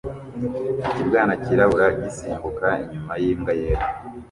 ikibwana cyirabura gisimbuka inyuma yimbwa yera